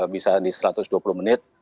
bisa di satu ratus dua puluh menit